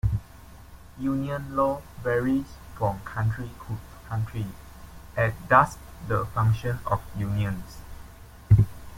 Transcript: Union law varies from country to country, as does the function of unions.